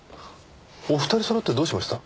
お二人そろってどうしました？